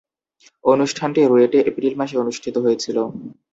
অনুষ্ঠানটি রুয়েটে এপ্রিল মাসে অনুষ্ঠিত হয়েছিলো।